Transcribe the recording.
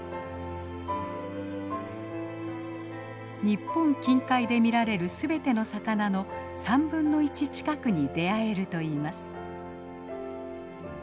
日本近海で見られる全ての魚の３分の１近くに出会えるといいます。